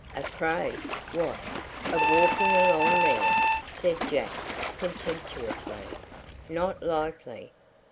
"Afraid! What! of walking along there?" said Jack, contemptuously. "Not likely.